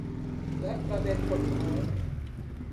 และประเด็นกฎหมาย